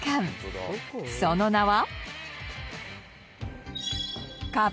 その名は。